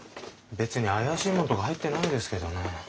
べつにあやしいもんとか入ってないですけどね。